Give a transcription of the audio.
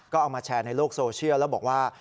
ก็เอามาแชร์ในโลกโซเชียลแล้วบอกว่า